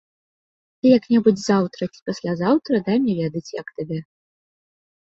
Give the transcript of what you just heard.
Ты як-небудзь заўтра ці паслязаўтра дай мне ведаць, як табе.